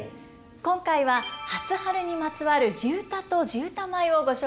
今回は初春にまつわる地唄と地唄舞をご紹介いたします。